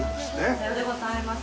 さようでございます。